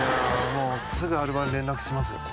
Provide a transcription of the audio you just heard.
もうすぐアルバロに連絡します